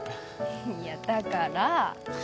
いやだから！